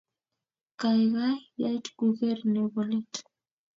Kaikai yat kurget nebo let